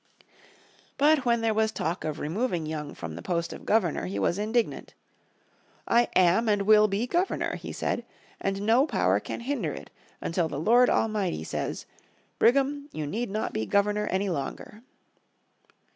But when there was talk of removing Young from the post of Governor he was indignant. "I am and will be Governor," he said, "and no power can hinder it until the Lord Almighty says, 'Brigham, you need not be Governor any longer.'"